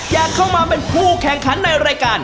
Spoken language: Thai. อยากเข้ามาเป็นผู้แข่งขันในรายการ